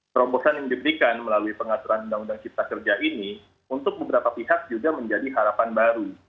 terobosan yang diberikan melalui pengaturan undang undang cipta kerja ini untuk beberapa pihak juga menjadi harapan baru